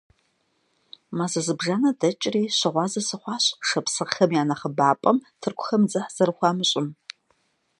Мазэ зыбжанэ дэкӀри, щыгъуазэ сыхъуащ шапсыгъхэм я нэхъыбапӀэм тыркухэм дзыхь зэрыхуамыщӀыр.